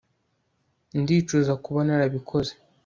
ndicuza kuba narabikoze